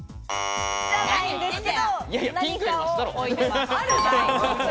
じゃないんですけれど、何かを置いてます。